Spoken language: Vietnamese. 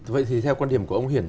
vậy thì theo quan điểm của ông huyền